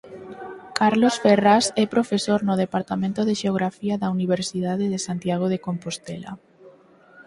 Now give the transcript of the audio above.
Carlos Ferrás é profesor no Departamento de Xeografía da Universidade de Santiago de Compostela.